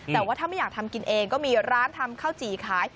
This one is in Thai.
แต่ว่าถ้าไม่อยากทำกินเองก็มีร้านทำข้าวจี่ขาย